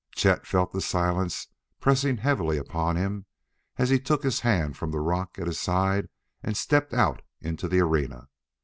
Chet felt the silence pressing heavily upon him as he took his hand from the rock at his side and stepped out into the arena.